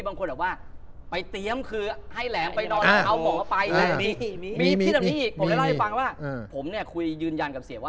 สงสัยว่าผมเนี่ยคุยยึนยันกับเสียว่า